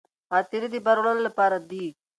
غاتري د بار وړلو لپاره دي.